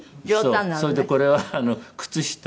それでこれは靴下。